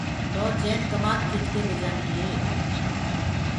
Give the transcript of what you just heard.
تو چين ڪمآد کِچ ڪي لي جآندي۔